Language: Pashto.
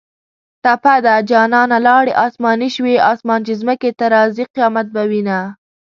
ټپه ده: جانانه لاړې اسماني شوې اسمان چې ځمکې ته راځۍ قیامت به وینه